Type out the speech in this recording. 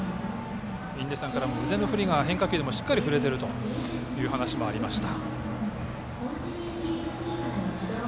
印出さんからも腕の振りが変化球でもしっかり振れているという話がありました。